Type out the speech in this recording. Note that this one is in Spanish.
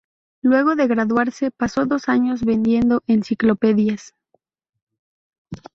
Luego de graduarse, pasó dos años vendiendo enciclopedias.